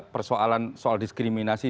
persoalan soal diskriminasi